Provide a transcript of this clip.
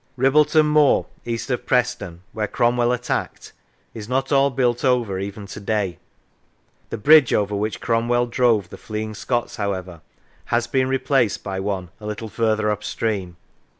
Ribbleton Moor, east of Preston, where Cromwell attacked, is not all built over, even to day; the bridge over which Cromwell drove the fleeing Scots, however, has been replaced by one a little further up stream.